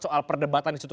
soal perdebatan di situ